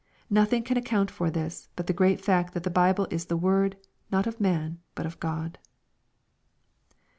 Nothing can account for this, but the great fact, that the Bible is the word, not of man, but of God.